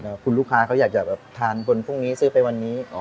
แล้วคุณลูกค้าเขาอยากจะแบบทานคนพรุ่งนี้ซื้อไปวันนี้